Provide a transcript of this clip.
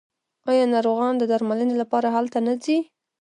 آیا ناروغان د درملنې لپاره هلته نه ځي؟